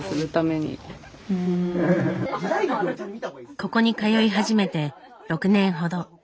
ここに通い始めて６年ほど。